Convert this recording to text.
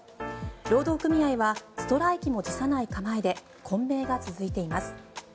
労働組合はストライキも辞さない構えで混迷が続いています。